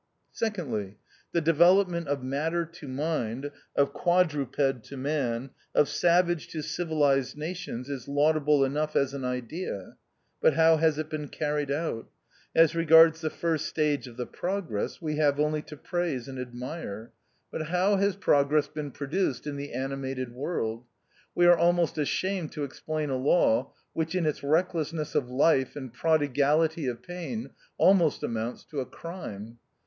Secondly, the development of matter to mind, of quadruped to man, of savage to civilized nations, is laudable enough as an idea ; but how has it been carried out ? As regards the first stage of the progress, we have only to praise and admire ; but how THE OUTCAST. 43 has progress been produced in the animated world ? We are almost ashamed to explain a law, which, in its recklessness of life and prodigality of pain almost amounts to a crime.